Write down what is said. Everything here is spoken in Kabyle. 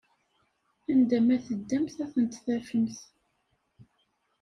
Anda ma teddamt ad tent-tafemt!